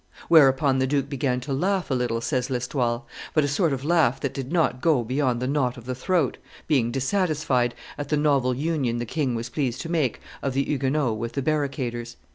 Whereupon the duke began to laugh a little," adds L'Estoile, "but a sort of laugh that did not go beyond the knot of the throat, being dissatisfied at the novel union the king was pleased to make of the Huguenots with the barricaders."